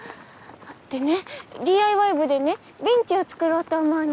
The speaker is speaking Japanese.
でねＤＩＹ部でねベンチを作ろうと思うの。